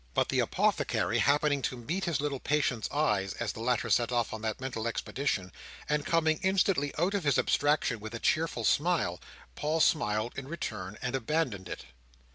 But the Apothecary happening to meet his little patient's eyes, as the latter set off on that mental expedition, and coming instantly out of his abstraction with a cheerful smile, Paul smiled in return and abandoned it.